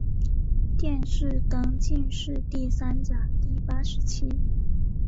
殿试登进士第三甲第八十七名。